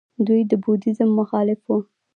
دوی د بودیزم مخالف وو